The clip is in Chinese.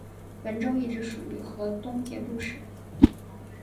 汾州一直属于河东节度使。